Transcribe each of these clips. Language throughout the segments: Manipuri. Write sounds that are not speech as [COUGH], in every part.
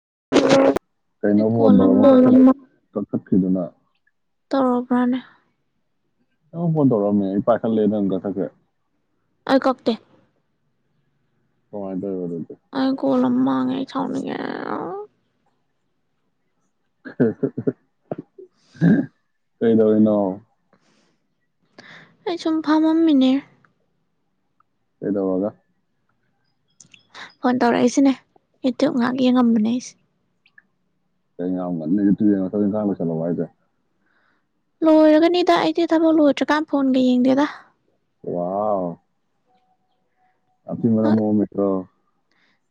ꯎꯝ ꯑꯩ ꯀꯣꯜ ꯑꯃ ꯃꯥꯡꯉꯦ ꯀꯩꯅꯣꯠ ꯈꯗꯨꯅ ꯇꯔꯣꯕ꯭ꯔꯅꯦ ꯅꯪꯉ ꯐꯣꯟ ꯇꯧꯔꯛꯑꯝꯃꯦ ꯑꯩ ꯄꯥꯏꯈꯠꯂꯦ ꯅꯪꯒꯊꯛꯁꯦ ꯑꯩ ꯀꯛꯇꯦ ꯍꯗ ꯑꯣꯏ ꯑꯩ ꯀꯣꯂ ꯃꯥꯉꯦ ꯆꯧꯅꯤꯡꯒꯦ ꯀꯩꯗꯧꯔꯤꯅꯣ ꯑꯩ ꯆꯨꯝꯐꯥ ꯃꯝ ꯃ ꯂꯩꯗ ꯋꯥꯒ ꯐꯣꯟ ꯇꯧꯔꯛꯏꯁꯤꯅꯦ ꯌꯇ꯭ꯌꯨꯨꯞ ꯉꯥꯏꯍꯥꯛ ꯌꯦꯡꯉꯝꯕꯅꯦ ꯑꯩꯁꯦ ꯀ ꯌꯥꯝ ꯈ ꯆꯠꯂꯁꯦ ꯂꯣꯏꯔꯒꯅꯤꯗ ꯑꯩꯗꯤ ꯊꯕꯛ ꯂꯣꯏꯗ꯭ꯔꯤꯀꯥꯟ ꯐꯣꯟꯒ ꯌꯦꯡꯗꯦꯗ ꯋꯥ ꯑ ꯃꯅ ꯃꯣ ꯃꯠꯇ꯭ꯔꯣ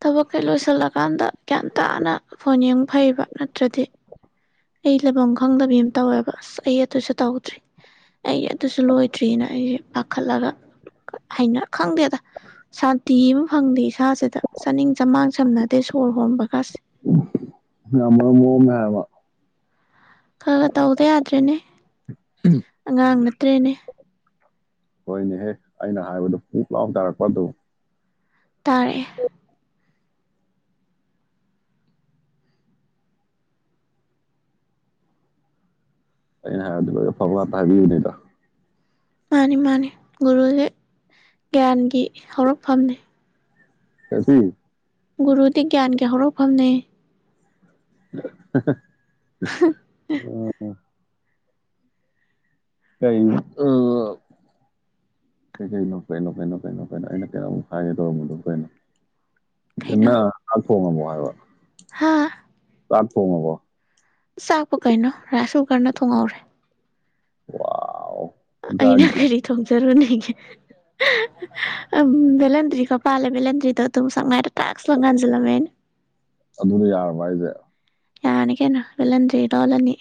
ꯊꯕꯛꯈꯩ ꯂꯣꯏꯁꯤꯜꯂꯀꯥꯟꯗ ꯒ꯭ꯌꯥꯟ ꯇꯥꯅ ꯐꯣꯟ ꯌꯦꯡꯕ ꯐꯩꯕ ꯅꯠꯇ꯭ꯔꯗꯤ ꯑꯩ ꯂꯩꯐꯝ ꯈꯪꯗꯕꯤ ꯑꯃ ꯇꯧꯋꯦꯕ ꯑꯁ ꯑꯩ ꯑꯗꯨꯁꯨ ꯇꯧꯗ꯭ꯔꯤ ꯑꯩ ꯑꯗꯨꯁꯨ ꯂꯣꯏꯗ꯭ꯔꯤꯑꯅ ꯑꯩꯁꯦ ꯄꯥꯈꯠꯂꯒꯩꯅ ꯈꯪꯗꯦꯗ ꯁꯥꯟꯇꯤ ꯑꯃ ꯐꯪꯗꯦ ꯏꯁꯥꯁꯤꯗ ꯆꯥꯅꯤꯡ ꯆꯃꯥꯡ ꯁꯝꯅꯗꯦ ꯁꯣꯔ ꯍꯣꯟꯕꯒꯁꯤꯦ ꯌꯥꯝ ꯃꯔꯝ ꯃꯣꯛꯑꯝꯃꯦ ꯍꯥꯏꯕ ꯈꯔ ꯈꯔ ꯇꯧꯗ ꯌꯥꯗ꯭ꯔꯦꯅꯦ ꯑꯉꯥꯡ ꯅꯠꯇ꯭ꯔꯦꯅꯦ ꯍꯣꯏꯅꯦꯍꯦꯛ ꯑꯩꯅ ꯍꯥꯏꯕꯗꯣ ꯄꯨꯛ ꯂꯥꯎ ꯇꯔꯛꯄ ꯑꯗꯨ ꯇꯥꯔꯦ ꯑꯩꯅ ꯍꯥꯏꯕꯗꯤ ꯐ ꯐ ꯉꯇ ꯍꯥꯏꯕꯤꯌꯨꯅꯤꯗ ꯃꯥꯅꯤ ꯃꯥꯅꯤ ꯒꯨꯔꯨꯁꯦ ꯒ꯭ꯌꯥꯟꯒꯤ ꯍꯧꯔꯛꯐꯝꯅꯤ ꯀꯁꯤ ꯒꯨꯔꯨꯗꯤ ꯒ꯭ꯌꯥꯟꯒꯤ ꯍꯧꯔꯛꯐꯝꯅꯦ [UNINTELLIGIBLE] ꯑꯣ ꯀꯣ ꯀꯩ ꯀꯩꯅꯣ ꯀꯩꯅꯣ ꯀꯩꯅꯣ ꯀꯩꯅꯣ ꯀꯩꯅꯣ ꯑꯩꯅ ꯀꯩꯅꯣꯃꯨꯛ ꯍꯥꯏꯒꯦ ꯇꯧꯔꯝꯕꯗꯣ ꯀꯩꯅꯣ ꯀꯩꯅꯣ ꯅ ꯍꯣꯡꯉꯝꯃꯣ ꯍꯥꯏꯕ ꯍꯥ ꯇꯣꯡꯉꯕꯣ ꯆꯥꯛꯄ ꯀꯩꯅꯣ ꯔꯥꯏꯁ ꯀꯨꯀꯔꯅ ꯊꯣꯡꯍꯧꯔꯦ ꯋꯥ ꯑꯩꯅ ꯐꯦꯔꯤ ꯊ ꯍꯦ ꯔꯅꯤ ꯕꯂꯗ꯭ꯔꯤ ꯀ ꯄꯥꯂꯦ ꯦꯂꯗ꯭ꯔꯤꯗ ꯑꯗꯨ ꯁꯔ ꯇ꯭ꯔꯥꯛ ꯂ ꯉꯥꯟꯁꯤꯂ ꯃ ꯑꯗꯨꯅ ꯌꯥꯔꯕ ꯍꯥꯏꯁꯦ ꯌꯥꯔꯅꯤ ꯀꯩꯅꯦꯠꯍꯟꯗ꯭ꯔꯤ ꯇꯥꯎꯜꯂꯅꯤ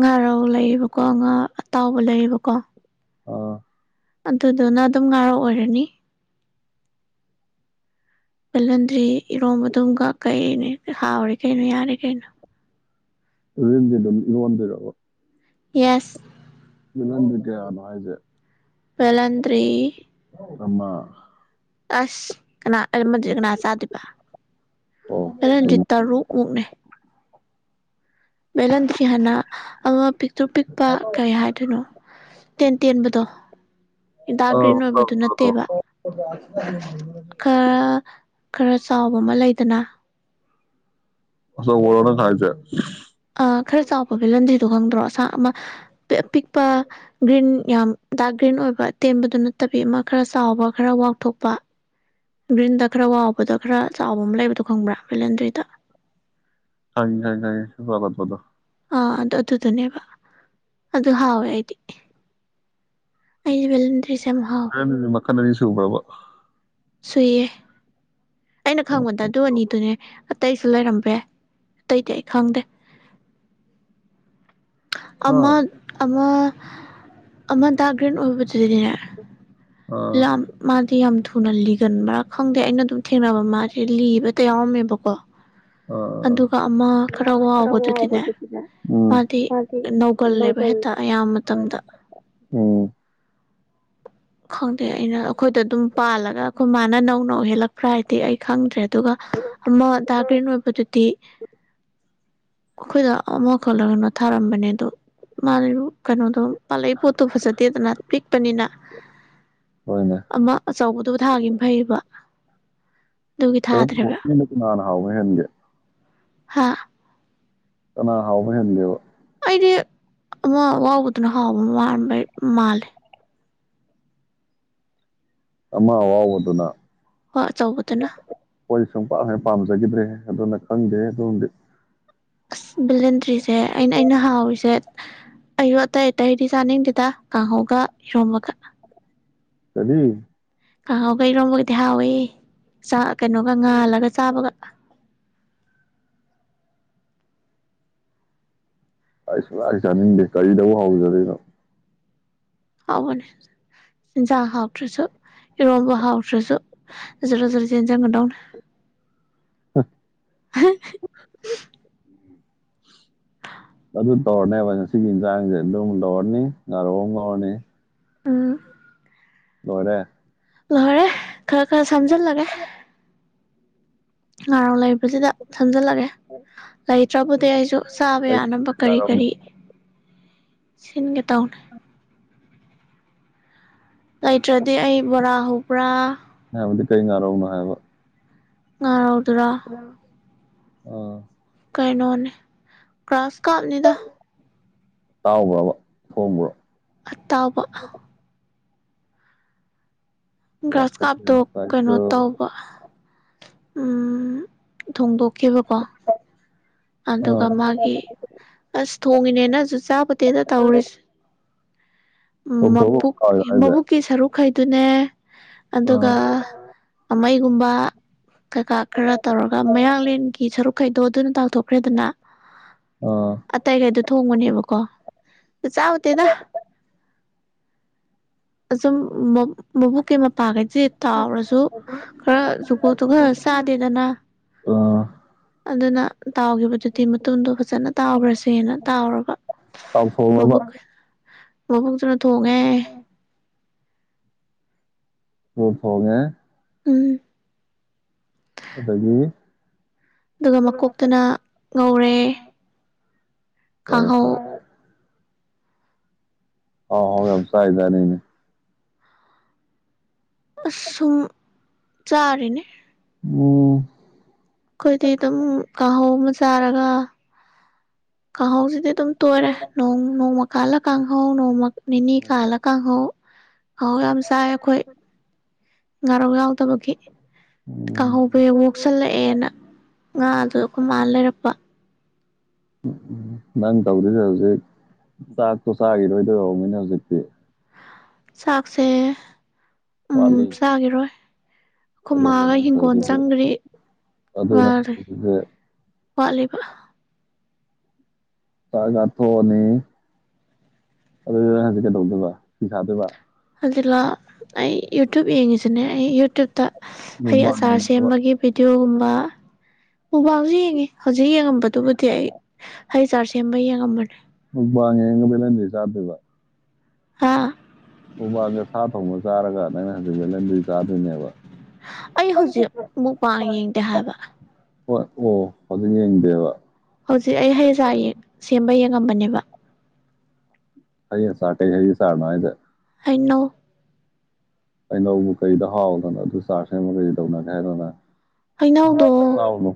ꯉꯥꯔꯥꯎ ꯂꯩꯌꯦꯕꯀꯣ ꯉꯥ ꯑꯇꯥꯎꯕ ꯂꯩꯌꯦꯕꯀꯣ ꯑꯣ ꯑꯗꯨꯗꯨꯅ ꯑꯗꯨꯝ ꯉꯥꯔꯛꯑꯣꯔꯅꯤ ꯄꯜꯍꯟꯗ꯭ꯔꯤ ꯏꯔꯣꯝꯕ ꯑꯗꯨꯝꯒ ꯀꯩꯅꯦ ꯍꯥꯎꯔꯤ ꯀꯩꯅꯣ ꯌꯥꯔꯤ ꯀꯩꯅꯣ ꯔꯟꯗ ꯔꯃꯟꯗꯕꯔ ꯌꯦꯁ ꯃꯤꯅꯗ ꯀꯌꯥꯅꯍꯥꯏꯖꯦ ꯄꯕꯂꯟꯗꯔꯤ ꯑꯃ ꯑꯁ ꯀꯅꯥ ꯑꯍꯃꯟꯖꯤ ꯀꯅꯥ ꯆꯥꯗꯦꯕ ꯑꯣ ꯑꯍꯟꯖꯤ ꯆꯨꯝꯃꯤ. ꯇꯔꯨꯛ ꯃꯨꯛꯅꯦ ꯕꯦꯜꯍꯟꯗ꯭ꯔꯤ ꯍꯥꯏꯅ ꯑꯃ ꯄꯤꯛꯇ꯭ꯔ ꯄꯤꯛꯄ ꯀꯩ ꯍꯥꯏꯗꯣꯏꯅꯣ ꯇꯦꯟꯕꯗꯣ ꯏꯟꯇꯥꯒ꯭ꯔꯤꯟ ꯑꯣꯏꯕꯗꯨ ꯅꯠꯇꯦꯕ ꯎꯝ ꯈꯔ ꯈꯔ ꯆꯥꯎꯕ ꯑꯃ ꯂꯩꯗꯅ ꯑ ꯔꯅ ꯈ ꯍꯥꯏꯆꯦ ꯑ ꯈꯔ ꯆꯥꯎꯕ ꯐ ꯂꯟꯗ꯭ꯗꯣ ꯈꯪꯗ꯭ꯔꯣ ꯑꯃ ꯑ ꯄꯄꯤꯛꯄ ꯒ꯭ꯔꯤꯟ ꯌꯥꯝ ꯗꯔꯛ ꯒ꯭ꯔꯤꯟ ꯑꯣꯏꯕ ꯇꯦꯟꯕꯗꯨ ꯅꯠꯇꯕꯤ ꯑꯃ ꯈꯔ ꯆꯥꯎꯕ ꯈꯔ ꯋꯥꯛꯊꯣꯛꯄ ꯒ꯭ꯔꯤꯟꯗ ꯈꯔ ꯋꯥꯕꯗ ꯈꯔ ꯆꯥꯎꯕ ꯑꯃ ꯂꯩꯕꯗꯣ ꯈꯪꯕ꯭ꯔꯥ ꯚꯦꯂꯦꯟꯗ꯭ꯔꯤꯗ ꯍ ꯋꯥꯂ ꯐꯗ ꯑꯥ ꯑꯗꯨꯗ ꯑꯗꯨꯗꯨꯅꯦꯕ ꯑꯗꯨ ꯍꯥꯎꯋꯦ ꯑꯩꯗꯤ ꯑꯕꯂ ꯑꯅꯦ ꯃꯅꯁ ꯁꯨ꯭ꯔꯕ ꯁꯨꯏꯌꯦ ꯑꯩꯅ ꯍꯥ ꯈꯪꯕꯗ ꯑꯗꯨ ꯑꯅꯤꯗꯨꯅꯦ ꯑꯇꯩꯁꯨ ꯂꯩꯔꯝꯕ ꯌꯥꯏ ꯑꯇꯩꯗꯤ ꯑꯩ ꯈꯪꯗꯦ ꯑꯃ ꯑꯃ ꯑꯃ ꯇꯒꯔꯤꯦꯟ ꯑꯣꯏꯕꯗꯨꯗꯤꯅꯦ [UNINTELLIGIBLE] ꯂ ꯃꯥ ꯗꯤ ꯌꯥꯝ ꯊꯨꯅ ꯂꯤꯒꯟꯕ꯭ꯔꯥ ꯈꯪꯗꯦ ꯑꯩꯅ ꯑꯗꯨꯝ ꯊꯦꯡꯅꯕ ꯃꯥꯁꯦ ꯂꯤꯕꯇ ꯌꯥꯎꯔꯝꯃꯦꯕꯀꯣ ꯑꯥ ꯑꯗꯨꯒ ꯑꯃ ꯈꯔ ꯋꯥꯕꯗꯨꯗꯤꯅꯦ ꯎꯝ ꯃꯥꯗꯤ ꯅꯧꯒꯜꯂꯦꯕ ꯍꯦꯛꯇ ꯑꯌꯥꯝꯕ ꯃꯇꯝꯗ ꯎꯝ ꯈꯪꯗꯦ ꯑꯩꯅ ꯑꯩꯈꯣꯏꯗ ꯑꯗꯨꯝ ꯄꯥꯜꯂꯒ ꯑꯩꯈꯣꯏ ꯃꯥꯅ ꯅꯧ ꯅꯧ ꯍꯦꯜꯂꯛꯄ꯭ꯔꯥ ꯍꯥꯏꯗꯤ ꯑꯩ ꯈꯪꯗ꯭ꯔꯦ ꯑꯗꯨꯒ ꯑꯃ ꯗꯥꯒ꯭ꯔꯦꯟ ꯑꯣꯏꯕꯗꯨꯗꯤ ꯑꯩꯈꯣꯏꯗ ꯑꯃꯨꯈꯜꯂꯒꯅ ꯊꯥꯔꯝꯕꯅꯦ ꯑꯗꯣ ꯃꯥꯗꯤ ꯀꯩꯅꯣꯗꯣ ꯄꯥꯜꯂꯛꯏ ꯄꯣꯠꯇꯣ ꯐꯖꯗꯦꯗꯅ ꯄꯤꯛꯄꯅꯤꯅ ꯍꯣꯏꯅꯦ ꯑꯃ ꯑꯆꯧꯕꯗꯨꯕꯨ ꯊꯥꯒꯅ ꯐꯩꯕ ꯅꯅ ꯍꯥꯎꯅ ꯍꯦꯟꯒꯦ ꯍꯥꯥ ꯅꯥ ꯍꯥꯎ ꯃꯟ ꯂꯩꯦꯕ ꯑꯩꯗꯤ ꯑꯃ ꯋꯥꯕꯗꯨꯅ ꯍꯥꯎꯕ ꯃ ꯃꯥꯜꯂꯦ ꯑꯃ ꯋꯥꯕꯨ ꯑꯗꯨꯅ ꯍꯣꯏ ꯑꯆꯧꯕꯗꯨꯅ ꯑꯣꯏ ꯁꯨꯡ ꯄꯥꯛ ꯍꯅ ꯄꯥꯝꯖꯈꯤꯗ꯭ꯔꯦ ꯑꯗꯨꯅ ꯈꯪꯗꯦ ꯑꯣꯝꯗꯤ ꯑ ꯕꯤꯂꯦꯟꯇ꯭ꯔꯤꯁꯦ ꯑꯩꯅ ꯑꯩꯅ ꯍꯥꯎꯔꯤꯁꯦ ꯑꯩꯁꯨ ꯑꯇꯩ ꯑꯇꯩꯗꯤ ꯆꯥꯅꯤꯡꯗꯦꯗ ꯀꯥꯡꯍꯧꯒ ꯏꯔꯣꯝꯃꯒ ꯀꯗꯤ ꯀꯥꯡꯍꯥꯎꯈꯩꯔꯣꯝꯕꯒꯗꯤ ꯍꯥꯎꯏ ꯆꯥꯛ ꯀꯩꯅꯣꯒ ꯉꯥꯜꯂꯒ ꯆꯥꯕꯒ ꯑꯩ ꯁꯨꯡꯃ ꯆꯥꯅꯤꯡꯗꯦ ꯀꯔꯤꯗꯧꯕ ꯍꯧꯖꯗꯣꯏꯅꯣ ꯍꯥꯎꯒꯅꯤ ꯆꯤꯟꯖꯥꯛ ꯍꯥꯎꯇ꯭ꯔꯁꯨ ꯏꯔꯣꯝꯕ ꯍꯥꯎꯇ꯭ꯔꯁꯨ ꯖꯔ ꯖꯔ ꯆꯦꯟꯖꯪꯒꯗꯧꯅꯦ ꯑ ꯑꯗꯨ ꯇꯧꯔꯅꯦꯕ ꯁꯤꯒꯤ ꯏꯟꯁꯥꯡꯁꯦ ꯑꯗꯨꯝ ꯂꯧꯔꯅꯤ ꯅꯥꯔꯣꯛ ꯑꯃ ꯉꯧꯔꯅꯤ ꯑ ꯍꯔꯦ ꯂꯣꯏꯔꯦ ꯈꯔ ꯈꯔ ꯁꯝꯖꯤꯜꯂꯒꯦ ꯂꯥꯔ ꯂꯩ ꯑꯗꯨꯗ ꯊꯝꯖꯤꯜꯂꯛꯒꯦ ꯂꯩꯇ꯭ꯔꯕꯨꯗꯤ ꯑꯩꯁꯨ ꯆꯥꯕ ꯀꯩ ꯌꯥꯅꯕ ꯀꯔꯤ ꯉꯥꯔꯧꯅꯣ ꯀꯔꯤ ꯁꯤꯟꯒ ꯇꯅꯦ ꯂꯩꯇ꯭ꯔꯗꯤ ꯑꯩ ꯕꯣꯔꯥ ꯍꯧꯕ꯭ꯔꯥ ꯗꯤ ꯀꯩ ꯉꯔꯧꯅ ꯍꯥꯏꯕ ꯑꯥꯎ ꯇ꯭ꯔꯥ ꯑꯣ ꯀꯅꯣꯅꯦ ꯀ꯭ꯔꯥꯁ ꯀꯥꯞꯅꯤꯗ ꯇꯥꯎꯕ꯭ꯔꯕ ꯍꯣꯡꯕ꯭ꯔꯣ ꯑ ꯇꯕ ꯒ꯭ꯔꯥꯁ ꯀꯞ ꯀꯥꯞꯇꯣ ꯌꯥꯝ ꯀꯩꯅꯣ ꯆꯥꯏꯀꯣ ꯇꯧꯕ ꯎꯝ ꯊꯣꯡꯗꯣꯛ ꯀꯕꯨ ꯀꯣ ꯑꯥ ꯑꯗꯨꯒ ꯃꯥꯒꯤ ꯑꯁ ꯊꯣꯡꯉꯤꯅꯦ ꯅꯪꯁꯨ ꯆꯥꯕ ꯇꯦꯗ ꯇꯧꯔꯤꯁꯦ ꯎ ꯆꯣꯡꯊꯣꯛꯑꯒ ꯃꯕꯨꯛ ꯀꯥꯎꯔꯤꯔꯣ ꯍꯥꯏꯁꯦ ꯃꯕꯨꯛꯀꯤꯁꯔꯨ ꯈꯥꯏ ꯑꯗꯨꯅꯦ ꯑꯗꯨꯒ ꯑꯥ ꯑꯃ ꯨꯝꯕ ꯀꯩꯀꯥ ꯈꯔ ꯇꯧꯔꯒ ꯃꯌꯥꯡꯂꯦꯟꯒꯤ ꯁꯔꯨꯛ ꯀꯩꯗꯣ ꯑꯗꯨꯅ ꯇꯥꯎꯊꯣꯛꯄ ꯀꯈ꯭ꯔꯦꯗꯅ ꯑꯥ ꯑꯇꯩꯒꯩꯗꯣ ꯊꯣꯡꯕꯅꯦꯕꯀꯣ ꯑꯗꯨ ꯆꯥꯃꯨꯗꯦꯗ ꯑ ꯃ ꯃꯕꯨ ꯀꯃ ꯄꯥꯒꯥꯏ ꯆꯦ ꯇꯥꯎꯔꯁꯨ ꯈꯔ ꯖꯨꯀꯣ ꯇꯨ ꯈꯔ ꯆꯥꯗꯦꯗꯅ ꯑꯥ ꯑꯗꯨꯅ ꯇꯥꯎꯈꯤꯕꯗꯨꯗꯤ ꯃꯇꯨꯡꯗꯣ ꯐꯖꯅ ꯇꯥꯎꯈ꯭ꯔꯁꯦꯅ ꯇꯥꯎꯔꯒ ꯇꯥꯎꯊꯣꯡꯉꯕ ꯚꯕꯣꯛ ꯑꯣ ꯁꯅ ꯊꯣꯡꯉꯦ ꯑꯣ ꯐꯉ ꯍ ꯑꯗꯨꯗꯒꯤ ꯑꯗꯨꯒ ꯃꯀꯣꯛꯇꯅ ꯉꯧꯔꯦ ꯀꯥꯡꯍꯧ ꯍꯣꯏꯄ ꯑ ꯍꯕꯁꯥꯏꯗꯅꯤꯅꯦ ꯨꯝ ꯆꯥꯔꯦꯅꯦ ꯑꯣꯝ ꯑꯗꯨꯝ ꯀꯥꯡꯍꯧ ꯑꯃ ꯆꯥꯔꯒ ꯀꯥꯎꯧꯁꯤꯗꯤ ꯑꯗꯨꯝ ꯇꯣꯏꯔꯦꯣꯡ ꯅꯣꯡꯃ ꯀꯜ ꯀꯥꯡꯍꯧ ꯅꯣꯡꯃ ꯅꯅꯤ ꯀꯂ ꯀ ꯍꯣ ꯑꯥꯎ ꯌꯥꯝ ꯁꯥꯏ ꯑꯩꯈꯣꯏ ꯉꯔꯒ ꯌꯥ ꯐ ꯇꯕꯒꯤ ꯎꯝ ꯀꯥꯍꯧꯕ ꯍ ꯑꯣꯣꯛꯁꯜꯂꯛꯑꯦꯅ ꯉꯥ ꯑꯗꯨꯗ ꯑꯩꯈ ꯃꯥꯅ ꯂꯩꯔꯛꯄ ꯎꯝ ꯎꯝ ꯅꯪ ꯇꯧꯗꯁꯦ ꯍꯧꯖꯤꯛ ꯆꯥꯛꯇꯣ ꯆꯥꯈꯤꯔꯣꯏꯗꯣꯏꯔꯅꯤꯅ ꯍꯧꯖꯤꯛꯇꯤ ꯆꯥꯛꯁ ꯋꯥꯠꯂꯤ ꯑꯩꯈꯣꯏ ꯑꯗꯨ ꯃꯥꯒ ꯍꯤꯡꯒꯣꯜ ꯇꯧꯔꯤꯁꯦ ꯆꯪꯈ꯭ꯔꯤ ꯑꯗꯨꯁ ꯋꯥꯕ ꯆ ꯀꯊꯣꯛꯑꯅꯤ ꯑꯗꯨꯗꯨ ꯍꯧꯖꯤꯛ ꯀꯩꯗꯧꯗꯣꯏꯕ ꯐꯤ ꯁꯥꯗꯣꯏꯕ ꯑꯗꯨꯖꯤꯂꯥ ꯑꯩ ꯌꯨꯇ꯭ꯨꯞ ꯌꯦꯡꯉꯤꯁꯤꯅꯦ ꯑꯩ ꯌꯨꯇ꯭ꯌꯨꯞꯇ ꯍꯩ ꯃꯨꯛꯕꯥꯡ ꯑꯆꯥꯔ ꯌꯦꯡꯉꯒ ꯁꯦꯝꯕꯒꯤ ꯚꯤꯗꯤꯑꯣꯒꯨꯝꯕ ꯎꯕꯥꯜꯁꯨ ꯌꯦꯡꯉꯤ ꯍꯧꯖꯤꯛ ꯌꯦꯡꯉꯝꯕꯗꯨꯕꯨꯗꯤ ꯑꯩ ꯍꯩ ꯆꯥꯔ ꯁꯦꯝꯕ ꯌꯦꯡꯉꯝꯕꯅꯤ ꯎ ꯋꯥꯉ ꯌꯦꯉ ꯄꯂ ꯆꯥꯗꯕ ꯑꯥ ꯃꯣꯡꯕꯥꯜꯒ ꯁꯥ ꯊꯣꯡꯅ ꯆꯥꯔꯒ ꯅꯪꯩꯅ ꯍꯧꯖꯤꯛ ꯦꯂꯟꯗꯨ ꯆꯥꯗꯣꯏꯅꯦꯕ ꯑꯩ ꯍꯧꯖꯤꯛ ꯃꯨꯛꯄꯥꯡ ꯌꯦꯡꯗꯦ ꯍꯥꯏꯕ ꯍꯣꯏ ꯑꯣ ꯑꯗꯨ ꯌꯦꯡꯗꯦꯕ ꯍꯧꯖꯤꯛ ꯑꯩ ꯍꯌꯦꯡꯖꯥ ꯁꯦꯝꯕ ꯌꯦꯡꯉ ꯉꯝꯕꯅꯦꯕ ꯍꯥꯏ ꯁꯥꯇ ꯍꯥꯏ ꯁꯥꯔꯅꯗ ꯏꯟꯅꯣ ꯑꯅꯧꯕ ꯀꯩꯗ ꯍꯥꯎꯗꯅ ꯑꯗꯨ ꯆꯥꯔ ꯁꯦꯝꯕ ꯀꯩ ꯇꯧꯅꯒꯦ ꯍꯥꯏꯗꯅ ꯍꯩꯅꯧꯗꯣ ꯇꯥꯎꯅ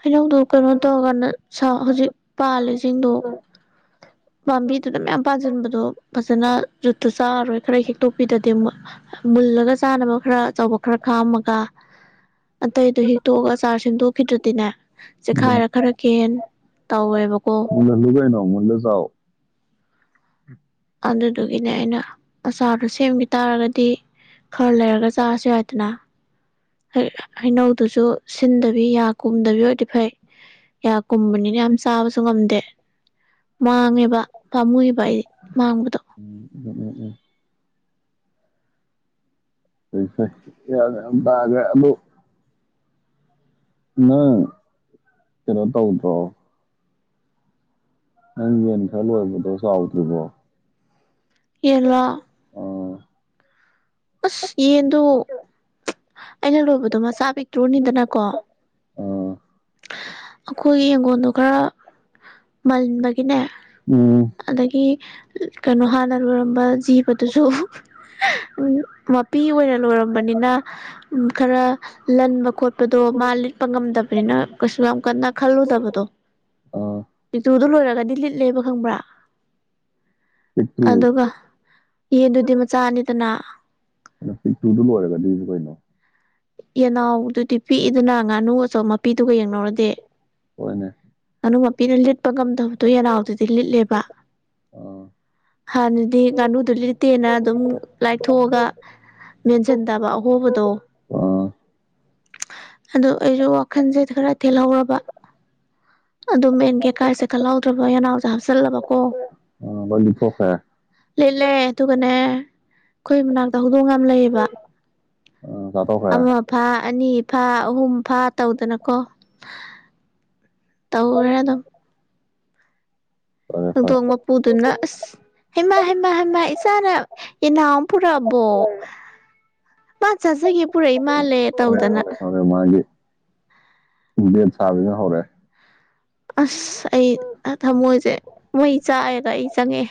ꯍꯩꯅꯧꯗ ꯀꯩꯅꯣ ꯇꯧꯔꯀꯥꯟꯗ ꯍꯧꯖꯤꯛ ꯄꯥꯜꯂꯤꯁꯤꯡꯗꯣ ꯄꯥꯝꯕꯤꯗꯨꯗ ꯃꯌꯥꯝ ꯄꯥꯁꯤꯟꯕꯗꯣ ꯐꯖꯅ ꯌꯖꯨꯠꯇꯨ ꯆꯥꯔꯔꯣꯏ ꯈꯔ ꯍꯦꯛꯇꯣꯛꯄꯤꯗꯗꯤꯦ ꯃꯨꯜꯂꯒ ꯆꯥꯅꯕ ꯈꯔ ꯑꯆꯧꯕ ꯈꯔ ꯈꯥꯝꯃꯒ ꯑꯇꯩꯗ ꯍꯤꯛꯇꯣꯛꯑꯒ ꯆꯥꯔꯁꯤꯡꯗꯣꯛ ꯐ ꯑꯗꯨꯅ ꯆꯦꯛꯈꯥꯏꯔ ꯈꯔ ꯀꯦꯟ ꯇꯧꯋꯦꯕꯀꯣ ꯂꯖꯥꯎ ꯑꯗꯨꯗꯨꯒꯤꯅꯦ ꯑꯩꯅ ꯑꯆꯥꯔꯗꯣ ꯁꯦꯝꯈꯤ ꯇꯥꯔꯒꯗꯤ ꯈꯔ ꯂꯩꯔꯒ ꯆꯥꯔꯁꯨ ꯍꯥꯏꯏꯗꯅ ꯍꯩꯅꯧꯗꯨꯁꯨ ꯁꯤꯟꯗꯕꯤ ꯌꯥ ꯀꯨꯝꯗꯕꯤ ꯑꯣꯏꯔꯗꯤ ꯐꯩ ꯌꯥ ꯀꯨꯝꯕꯅꯤꯅ ꯌꯥꯝ ꯆꯥꯕꯁꯨ ꯉꯝꯗꯦ ꯃꯥꯡꯉꯦꯕ ꯇꯥꯃꯨꯏ ꯄꯥꯏꯔꯤ ꯎꯝ ꯎ ꯎꯝ ꯎꯝ ꯄꯩꯁꯒ ꯑꯗꯨꯗ ꯅ ꯆꯔ ꯇꯧꯗ꯭ꯔ ꯅꯪ ꯌꯦꯅꯤ ꯈꯂ ꯇꯧ ꯁꯣꯥꯎꯗꯨꯔꯕꯣ ꯏꯂ ꯑꯁ ꯌꯦꯟꯗꯣ ꯑꯩꯅ ꯂꯣꯏꯕꯗꯣ ꯃꯆꯥ ꯄꯤꯛꯇ꯭ꯔꯣꯅꯤꯗꯅꯀꯣ ꯑꯥ ꯑꯩꯈꯣꯏꯒꯤ ꯌꯦꯡꯒꯣꯟꯗꯣ ꯈꯔ ꯃꯟꯕꯒꯤ ꯒꯤꯅꯦ ꯎꯝ ꯑꯗꯒꯤ ꯀꯩꯅꯣ ꯍꯥꯟꯅ ꯂꯣꯏꯔꯝꯕ ꯖꯤꯕꯗꯨꯁꯨ ꯃꯄꯤ ꯑꯣꯏꯅ ꯂꯣꯏꯔꯝꯕꯅꯤꯅ ꯈꯔ ꯂꯟꯕ ꯈꯣꯠꯄꯗꯣ ꯃꯥ ꯂꯤꯠꯄ ꯉꯝꯗꯕꯅꯤꯅ ꯀꯩꯁꯨ ꯌꯥꯝ ꯀꯅꯥ ꯈꯜꯂꯨꯗꯕꯗꯨꯣ ꯑ ꯆꯨꯗꯨ ꯂꯣꯏꯔꯒꯗꯤ ꯂꯤꯠꯂꯦꯕ ꯈꯪꯕ꯭ꯔꯥ ꯄꯤꯛꯇꯨ ꯑꯗꯨꯒ ꯌꯦꯟꯗꯨꯗꯤ ꯃꯆꯥꯅꯤꯗꯅ ꯄꯤꯛꯇꯨꯗꯨ ꯂꯣꯏꯔꯒꯗꯤꯁꯨ ꯀꯩꯅꯣ ꯌꯦꯅꯥꯎꯗꯨꯗꯤ ꯄꯤꯛꯏꯗꯨꯅ ꯉꯥꯅꯨ ꯑꯆꯧꯝ ꯃꯄꯤꯗꯨꯒ ꯌꯦꯡꯅꯧꯔꯗꯤ ꯍꯣꯏꯅꯦ ꯉꯥꯅꯨ ꯃꯄꯤꯅ ꯂꯤꯠꯄ ꯉꯝꯗꯕꯗꯣ ꯌꯦꯅꯥꯎꯗꯨꯗꯤ ꯂꯤꯠꯂꯦꯕ ꯑꯥ ꯍꯥꯟꯅꯗꯤ ꯉꯥꯅꯨꯗꯨ ꯂꯤꯠꯇꯦꯅ ꯑꯗꯨꯝ ꯂꯥꯏꯊꯣꯛꯑꯒ ꯃꯦꯟꯁꯤꯟꯗꯕ ꯑꯍꯣꯕꯗꯣ ꯑꯥ ꯑꯗꯨ ꯑꯩꯁꯨ ꯋꯥꯈꯜꯁꯦ ꯈꯔ ꯊꯦꯜꯍꯧꯔꯕ ꯑꯗꯨ ꯃꯦꯟ ꯀꯦꯀꯥꯏꯁꯦ ꯈꯜꯍꯥꯎꯗ꯭ꯔꯕ ꯌꯦꯅꯥꯎꯁꯦ ꯍꯥꯞꯆꯤꯜꯂꯕꯀꯣ ꯑꯥ ꯂꯣꯏ ꯂꯤꯠꯊꯣꯛꯈ꯭ꯔꯦ ꯂꯤꯠꯂꯦ ꯑꯗꯨꯒꯅꯦ ꯑꯩꯣꯏ ꯃꯅꯥꯔꯗ ꯍ ꯗꯣ ꯌꯥꯝ ꯂꯩꯌꯦꯕ ꯑꯥ ꯆꯥꯊꯣꯛꯈ꯭ꯔꯦ ꯑꯃ ꯐꯥ ꯑꯅꯤ ꯐ ꯍꯍꯨꯝ ꯐꯥꯠ ꯇꯧꯗꯅꯀꯣ ꯇꯧꯔꯦ ꯑꯗꯨꯝ ꯐꯔꯦ ꯐꯔꯦ ꯍꯧꯗꯣꯡ ꯃꯄꯨꯗꯨꯅ ꯑꯁ ꯍꯦꯃ ꯍꯦꯃꯥ ꯍꯩꯃ ꯏꯆꯥꯅ ꯌꯦꯅꯥꯎ ꯑꯃ ꯄꯨꯔꯛꯑꯕꯣ ꯄ ꯆꯥꯖꯒꯦ ꯄꯨꯔꯛꯏ ꯃꯥꯜꯂꯦ ꯇꯧꯗꯅ ꯗꯦꯠ ꯁꯥꯕꯤꯅ ꯍꯧꯔꯦ ꯑꯁ ꯑꯩ ꯊꯃꯣꯏꯁꯦ ꯃꯩ ꯆꯥꯏ ꯑꯗ ꯑꯩ ꯆꯪꯉꯦ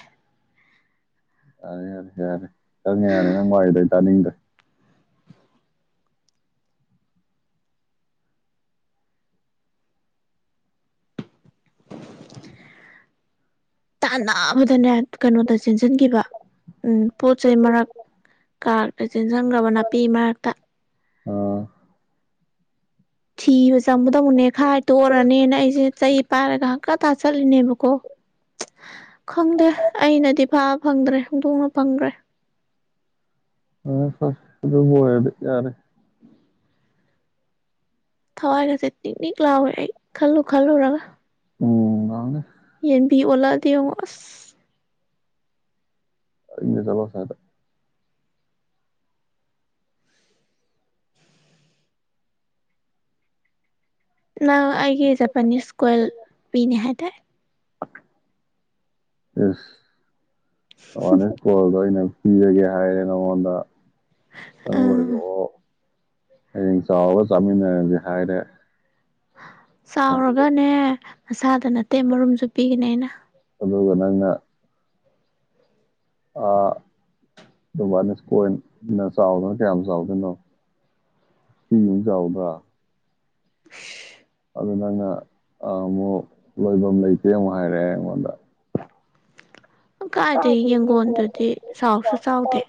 ꯑꯔꯦꯔꯦꯔꯦ ꯆꯪꯉꯦ ꯌꯥꯅꯤ ꯅꯪ ꯋꯥꯏꯗꯩ ꯇꯥꯅꯤꯡꯗꯦ [UNINTELLIGIBLE] ꯇꯥꯟꯅꯕꯗꯅꯦ ꯀꯩꯅꯣꯗ ꯆꯦꯟꯁꯤꯟꯈꯤꯕ ꯄꯣꯠ ꯆꯩꯩ ꯃꯔꯛ ꯀꯥꯔꯛꯇ ꯆꯦꯟꯁꯤꯟꯈ꯭ꯔꯕ ꯅꯥꯄꯤ ꯃꯔꯛꯇ ꯑꯥ ꯊꯤꯕ ꯆꯪꯕꯗꯕꯨꯅꯦ ꯈꯥꯏ ꯇꯣꯛꯑꯔꯅꯦꯅ ꯑꯩꯁꯦ ꯆꯩ ꯄꯥꯏꯔꯒ ꯍꯪꯀꯇꯥꯥ ꯆꯠꯂꯤꯅꯦꯕꯀꯣ ꯈꯪꯗꯦ ꯑꯩꯅꯗꯤ ꯐꯥꯕ ꯐꯪꯗ꯭ꯔꯦ ꯍꯣꯡꯗꯣꯛꯅ ꯐꯪꯗ꯭ꯔꯦ ꯑꯗꯨꯌꯥꯗꯤ ꯌꯥꯔꯦ ꯊꯋꯥꯏꯒꯁꯦ ꯇꯤꯛꯅꯤꯛ ꯂꯥꯎꯋꯦ ꯑꯩ ꯈꯜꯂꯨ ꯈꯜꯂꯨꯔꯒ ꯎꯝ ꯉꯥꯏꯍꯥꯛꯅꯦ ꯌꯦꯟꯕꯤ ꯑꯣꯂꯗꯤꯡꯉꯁ ꯑꯌꯨꯛꯇ ꯆꯠꯂꯣ ꯑꯁ꯭ꯋꯥꯏꯗ ꯅꯪ ꯑꯩꯒꯤ ꯖꯄꯅꯤꯁ ꯀꯣꯏꯜ ꯄꯤꯅꯦ ꯍꯥꯏꯇꯥꯔꯦ ꯏꯁ [UNINTELLIGIBLE] ꯑꯦꯋꯥꯔꯅꯦꯁ ꯀꯣꯜꯗꯣ ꯑꯩꯅ ꯄꯤꯖꯒꯦ ꯍꯥꯏꯔꯦ ꯅꯉꯣꯟꯗ ꯎꯝ ꯑꯣ ꯍꯌꯦꯡ ꯆꯥꯎꯔꯒ ꯆꯥꯃꯤꯟꯅꯔꯁꯦ ꯍꯥꯏꯔꯦ ꯆꯥꯎꯔꯒꯅꯦ ꯃꯁꯥꯗ ꯅꯠꯇꯦ ꯃꯔꯨꯝꯁꯨ ꯄꯤꯒꯅꯦ ꯑꯩꯅ ꯑꯗꯨꯒ ꯅꯪꯅ ꯑꯥ ꯕꯥꯅꯤ ꯀꯣꯏꯅ ꯆꯥꯎꯗꯣꯏꯅꯣ ꯀꯌꯥ ꯆꯥꯎꯗꯣꯏꯅꯣ ꯄꯤꯕ ꯆꯥꯎꯗ꯭ꯔꯥ [UNINTELLIGIBLE] ꯑꯗꯨ ꯅꯪꯅ ꯑꯃꯨꯛ ꯂꯣꯏꯐꯝ ꯂꯩꯇꯦ ꯑꯃꯨꯛ ꯍꯥꯏꯔꯛꯑꯦ ꯑꯩꯉꯣꯟꯗ ꯀꯥꯏꯗꯒꯤꯩ ꯌꯦꯡꯒꯣꯟꯗꯨꯗꯤ ꯆꯥꯎꯁꯨ ꯆꯥꯎꯗꯦ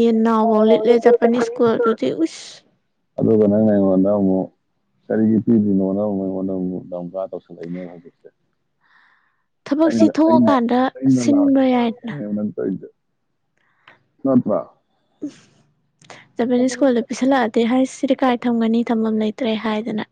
ꯌꯦꯟ ꯅꯥꯎꯐꯥꯎ ꯂꯤꯠꯂꯦ ꯖꯠꯄꯅꯤ ꯁ꯭ꯀꯨꯜ ꯑꯗꯨꯗꯤ ꯎꯁ ꯑꯗꯨꯒ ꯅꯪꯅ ꯑꯩꯉꯣꯟꯗ ꯑꯃꯨꯛ ꯀꯔꯤꯒꯤ ꯄꯤꯗ꯭ꯔꯤꯅꯣꯅ ꯑꯃꯨꯛ ꯑꯩꯉꯣꯟꯗ ꯑꯃꯨꯛ ꯗꯗꯥꯝꯀꯥ ꯇꯧꯁꯤꯜꯂꯛꯏꯅꯦꯕ ꯍꯧꯖꯤꯛꯁꯦ ꯊꯕꯛꯁꯤ ꯊꯣꯛꯑꯀꯥꯟꯗ ꯁꯤꯟꯕ ꯌꯥꯏꯗꯅ ꯅꯣ ꯏꯗ ꯅꯠꯇꯄ ꯎ ꯖꯄꯅꯤꯁ ꯁ꯭ꯀꯨꯜꯗ ꯄꯤꯁꯜꯂꯛꯑꯗꯤ ꯍꯥꯏ ꯁꯤꯗꯤ ꯀꯥꯏ ꯊꯝꯒꯅꯤ ꯊꯝꯐꯝ ꯂꯩꯇꯦ ꯇ꯭ꯔꯦ ꯍꯥꯏꯗꯅ